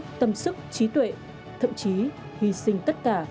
cảm kết tâm sức trí tuệ thậm chí hy sinh tất cả